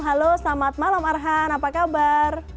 halo selamat malam arhan apa kabar